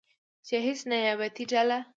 چې هیڅ نیابتي ډله